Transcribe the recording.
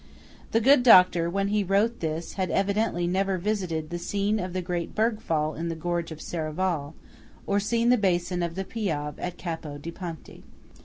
The good Doctor when he wrote this had evidently never visited the scene of the great bergfall in the gorge of Serravalle, or seen the basin of the Piave at Capo di Ponte.